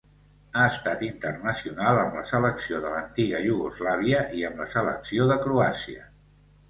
Ha estat internacional amb la selecció de l'antiga Iugoslàvia i amb la selecció de Croàcia.